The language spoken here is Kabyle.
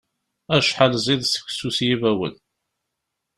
Acḥal ziḍ seksu s yibawen!